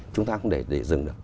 chúng ta không để gì dừng được